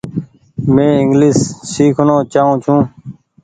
مين انگليش سيکڻو چآئو ڇون ۔